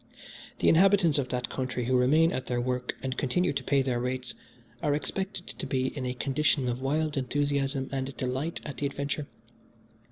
The inhabitants of that country who remain at their work and continue to pay their rates are expected to be in a condition of wild enthusiasm and delight at the adventure.